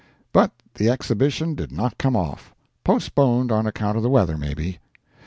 But the exhibition did not come off—postponed on account of the weather, maybe.